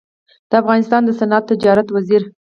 د افغانستان د صنعت تجارت وزیر